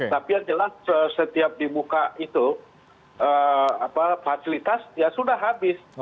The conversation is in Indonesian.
tapi yang jelas setiap dibuka itu fasilitas ya sudah habis